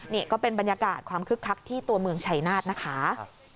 นี่ก็เป็นบรรยากาศความคึกคักที่ตัวเมืองชัยนาธนะคะ